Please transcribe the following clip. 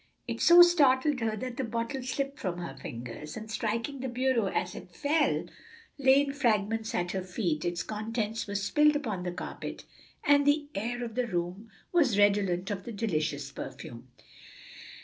It so startled her that the bottle slipped from her fingers, and striking the bureau as it fell, lay in fragments at her feet; its contents were spilled upon the carpet, and the air of the room was redolent of the delicious perfume.